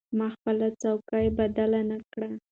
ما خپله څوکۍ بدله نه کړه.